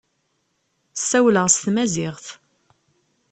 Ssawleɣ s tmaziɣt.